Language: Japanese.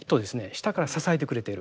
下から支えてくれている。